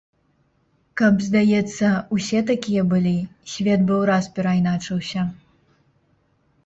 Каб, здаецца, усе такія былі, свет бы ўраз перайначыўся.